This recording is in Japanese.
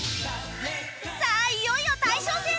さあいよいよ大将戦！